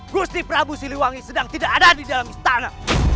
gusti prabu siliwangi sedang tidak ada di dalam istana